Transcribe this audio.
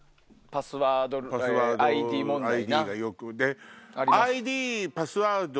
パスワードＩＤ問題な。